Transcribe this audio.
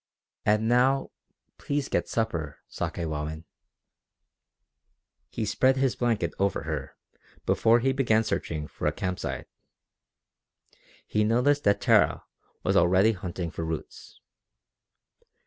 "And now please get supper, Sakewawin." He spread his blanket over her before he began searching for a camp site. He noticed that Tara was already hunting for roots.